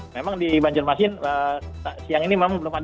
memang di banjarmasin siang ini memang belum ada